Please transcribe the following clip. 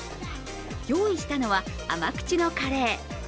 用意したのは甘口のカレー。